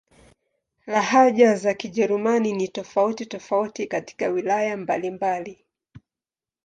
Lahaja za Kijerumani ni tofauti-tofauti katika wilaya mbalimbali.